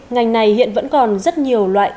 ngành này hiện vẫn còn rất nhiều loại